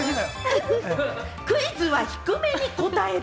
クイズは低めに答える。